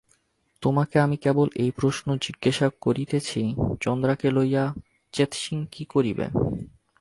তোমাকে আমি কেবল এই প্রশ্ন জিজ্ঞাসা করিতেছি, চন্দ্রাকে লইয়া চেৎসিং কী করিবে?